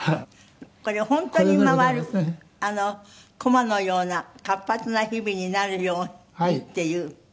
これ本当に回るコマのような活発な日々になるようにっていう。